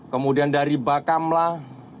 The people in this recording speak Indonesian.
kemudian dari bakamlah